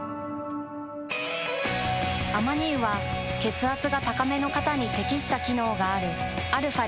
アマニ油は血圧が高めの方に適した機能があるαー